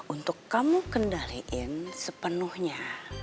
untuk kamu kendaliin sepenuhnya